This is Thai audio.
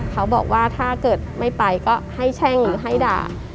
เขาบอกว่าถ้าเกิดไม่ไปก็ให้แช่งหรือให้ด่า